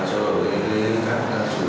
xin tiền như thế nào